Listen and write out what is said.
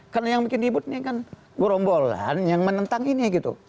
karena yang bikin ribut ini kan gurombolan yang menentang ini gitu